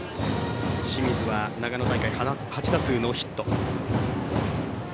清水は長野大会８打数ノーヒット。